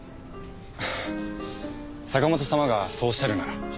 坂本様がそうおっしゃるなら。